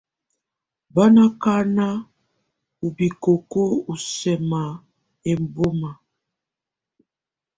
Bá ná ákaná ú bikóko ɔ́ sánà ɛbɔ́má.